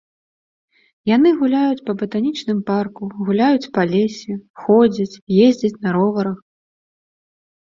Яны гуляюць па батанічным парку, гуляюць па лесе, ходзяць, ездзяць на роварах.